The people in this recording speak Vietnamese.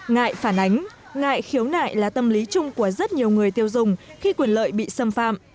ngại phản ánh ngại khiếu nại là tâm lý chung của rất nhiều người tiêu dùng khi quyền lợi bị xâm phạm